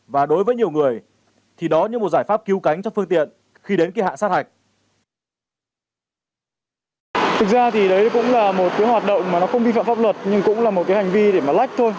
và đối với nhiều người thì đó như một giải pháp cứu cánh cho phương tiện khi đến kỳ hạn sát hạch